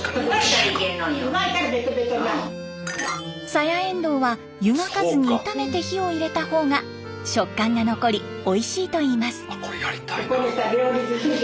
サヤエンドウは湯がかずに炒めて火を入れたほうが食感が残りおいしいといいます。